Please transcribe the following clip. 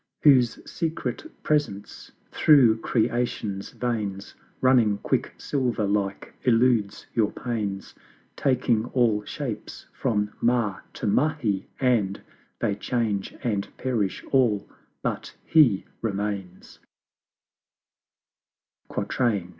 Whose secret Presence through Creation's veins Running Quicksilver like eludes your pains; Taking all shapes from Mah to Mahi and They change and perish all but He remains; LII.